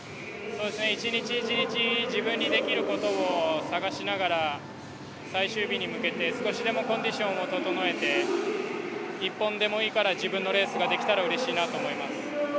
一日一日自分にできることを探しながら最終日に向けて少しでもコンディションを整えて一本でもいいから自分のレースができたらうれしいなと思います。